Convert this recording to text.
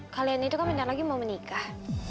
kalian itu kan bentar lagi mau menikah